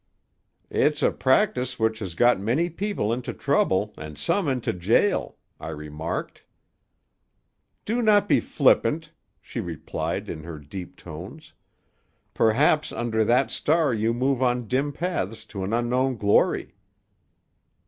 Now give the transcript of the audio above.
"'It's a practise which has got many people into trouble and some into jail,' I remarked. "'Do not be flippant,' she replied in her deep tones. 'Perhaps under that star you move on dim paths to an unknown glory.